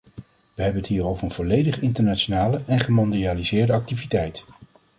Wij hebben het hier over een volledig internationale en gemondialiseerde activiteit.